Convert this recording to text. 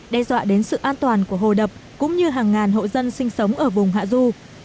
đe dọa đến sự an toàn của hồ đập cũng như hàng ngàn hộ dân sinh sống ở vùng hạ du